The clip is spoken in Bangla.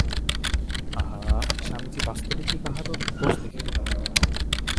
আহা! স্বামীজী বাস্তবিকই কাহারও দোষ দেখিতেন না।